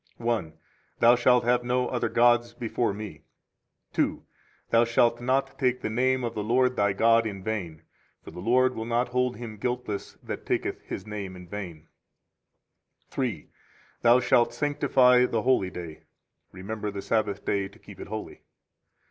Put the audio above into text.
1 1. Thou shalt have no other gods before Me. 2 2. Thou shalt not take the name of the Lord, thy God, in vain [for the Lord will not hold him guiltless that taketh His name in vain]. 3 3. Thou shalt sanctify the holy day. [Remember the Sabbath day to keep it holy.